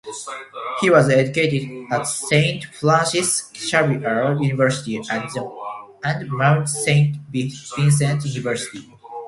He was educated at Saint Francis Xavier University and Mount Saint Vincent University.